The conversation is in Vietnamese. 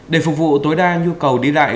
để phục vụ tối đa nhu cầu đi lại